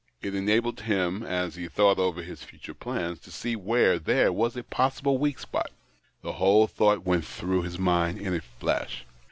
It enabled him, as he thought over his future plans, to see where there was a possible weak spot. The whole thought went through his mind in a flash.